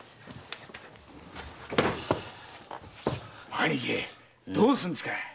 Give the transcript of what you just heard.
兄貴どうするんですか？